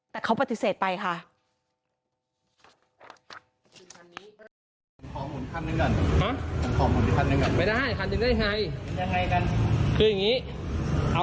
แต่เขาปฏิเสธไปค่ะ